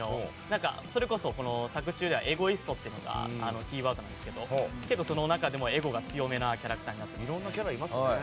それこそ作中ではエゴイストというのがキーワードなんですけどその中でもエゴが強めのキャラクターになっています。